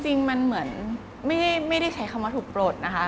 จริงมันเหมือนไม่ได้ใช้คำว่าถูกปลดนะคะ